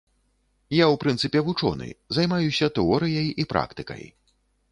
Я ў прынцыпе вучоны, займаюся тэорыяй і практыкай.